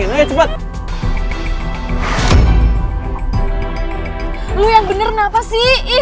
uncommon rakit yang sesuai mu semestinya